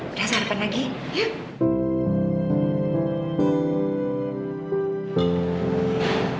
udah sarapan lagi yuk